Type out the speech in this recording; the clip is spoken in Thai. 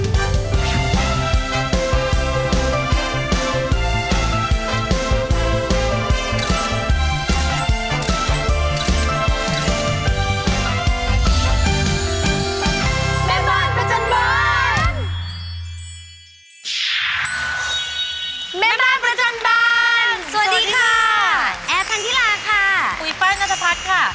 กูอีฟันนาธพัทรค่ะ